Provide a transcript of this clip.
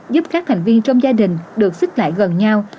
giúp các thành viên trong gia đình được xích lại gần nhau